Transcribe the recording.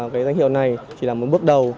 cái danh hiệu này chỉ là một bước đầu